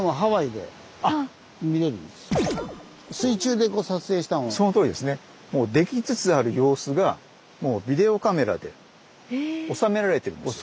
できつつある様子がビデオカメラで収められてるんですよ。